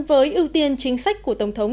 với ưu tiên chính sách của tổng thống